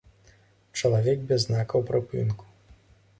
Чалавек без знакаў прыпынку.